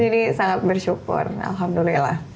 jadi sangat bersyukur alhamdulillah